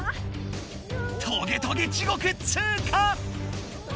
トゲトゲ地獄通過！